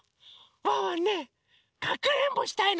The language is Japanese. ワンワンねかくれんぼしたいの。